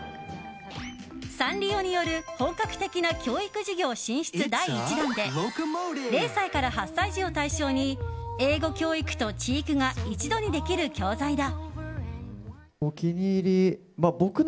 サンリオによる本格的な教育事業進出第１弾で０歳から８歳児を対象に英語教育と知育が一度にできる教材だ。